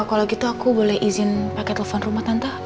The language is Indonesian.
kalau gitu aku boleh izin pakai telepon rumah tangga